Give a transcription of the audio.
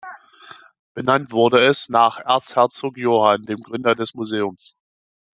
Benannt wurde es nach Erzherzog Johann, dem Gründer des Museums.